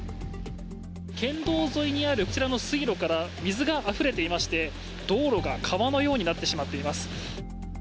県道沿いにあるこちらの水路から水があふれていまして道路が川のようになってしまっています。